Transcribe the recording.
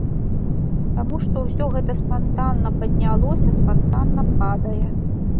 Таму што ўсё гэта спантанна паднялося, спантанна падае.